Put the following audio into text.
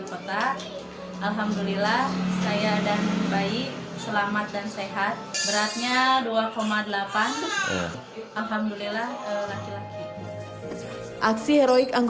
kota alhamdulillah saya dan bayi selamat dan sehat beratnya dua delapan alhamdulillah laki laki aksi heroik